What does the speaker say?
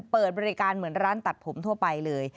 เปิดบริการเหมือนร้านตัดผมทั่วไปเลย